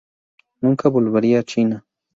Nunca volvería a China.